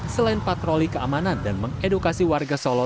selain patroli keamanan dan mengedukasi warga solo